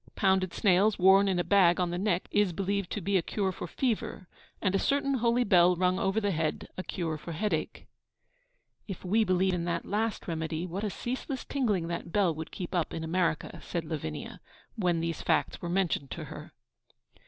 Pounded snails, worn in a bag on the neck, is believed to be a cure for fever; and a certain holy bell rung over the head, a cure for head ache. 'If we believe in that last remedy, what a ceaseless tingling that bell would keep up in America!' said Lavinia, when these facts were mentioned to her.